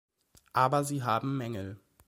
Aber sie haben Mängel.